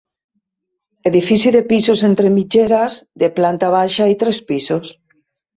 Edifici de pisos entre mitgeres, de planta baixa i tres pisos.